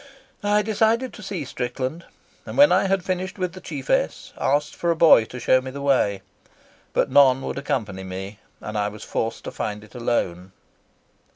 I decided to see Strickland, and when I had finished with the chiefess asked for a boy to show me the way. But none would accompany me, and I was forced to find it alone."